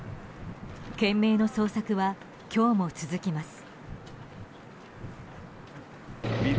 懸命の捜索は今日も続きます。